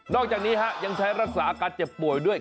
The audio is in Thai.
อกจากนี้ยังใช้รักษาอาการเจ็บป่วยด้วย